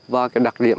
và cái đặc điểm